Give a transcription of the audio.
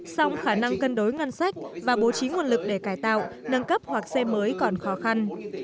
song khả năng cân đối ngân sách và bố trí nguồn lực để cải tạo nâng cấp hoặc xây mới còn khó khăn